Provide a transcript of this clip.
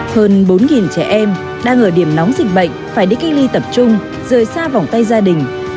hơn bốn trẻ em đang ở điểm nóng dịch bệnh phải đi cách ly tập trung rời xa vòng tay gia đình